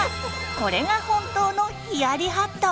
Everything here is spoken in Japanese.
これが本当の冷やりハット。